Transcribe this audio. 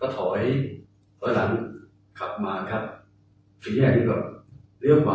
ก็ถอยหลังกลับมาครับ